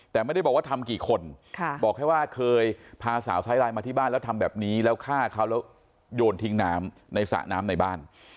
แต่ไม่ได้บอกว่าทำกี่คนบอกแค่ว่าเคยพาสาวไซไลน์มาที่บ้านแล้วทำแบบนี้แล้วฆ่าเขาแล้วโยนทิ้งน้ำในสระน้ำในบ้าน